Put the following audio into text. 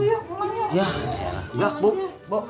ya udah gue yuk pulang yuk